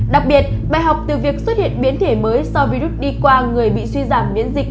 đặc biệt bài học từ việc xuất hiện biến thể mới do virus đi qua người bị suy giảm biến dịch